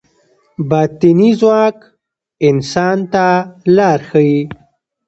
باطني ځواک انسان ته لار ښيي.